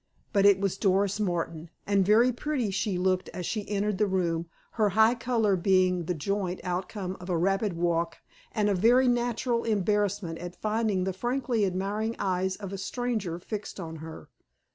But it was Doris Martin, and very pretty she looked as she entered the room, her high color being the joint outcome of a rapid walk and a very natural embarrassment at finding the frankly admiring eyes of a stranger fixed on her.